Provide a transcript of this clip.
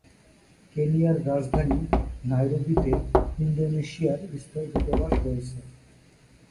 কেনিয়ার রাজধানী নাইরোবিতে ইন্দোনেশিয়ার স্থায়ী দূতাবাস রয়েছে।